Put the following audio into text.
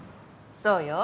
そうよ。